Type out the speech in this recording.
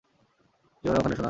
যেওনা ওখানে, সোনা!